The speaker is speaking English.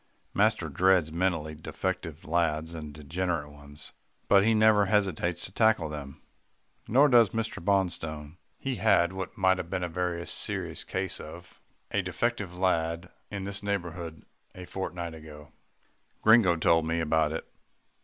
Master dreads mentally defective lads and degenerate ones, but he never hesitates to tackle them. Nor does Mr. Bonstone. He had what might have been a very serious case of a defective lad in this neighbourhood a fortnight ago. Gringo told me about it.